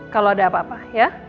kalau ada apa apa ya